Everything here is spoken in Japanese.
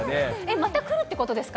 また来るってことですか？